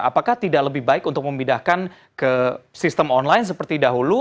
apakah tidak lebih baik untuk memindahkan ke sistem online seperti dahulu